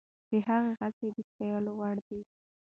د ده هڅې د ستایلو وړ دي.